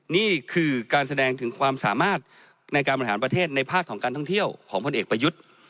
นี่คือการแสดงถึงความสามารถในการบริหารประเทศในภาคของการท่องเที่ยวของพลเอกประยุทธ์